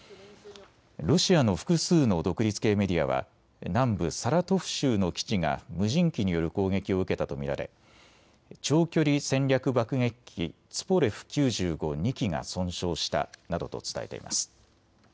ロシアの複数の独立系メディアは南部サラトフ州の基地が無人機による攻撃を受けたと見られ長距離戦略爆撃機ツポレフ９５、２機が損傷したなどと伝えています。